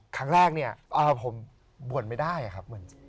ครั้งแรกเนี่ยผมบ่นไม่ได้ครับ